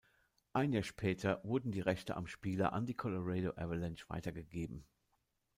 Ein Jahr später wurden die Rechte am Spieler an die Colorado Avalanche weitergegeben.